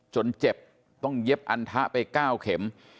จนเจ็บต้องเย็บอันทะไปก้าวเข็ม